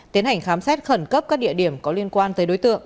tiến hành khám xét khẩn cấp các địa điểm có liên quan tới đối tượng